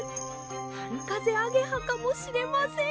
はるかぜアゲハかもしれません！